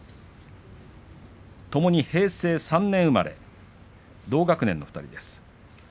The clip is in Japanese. ともに平成３年生まれ同学年の２人です。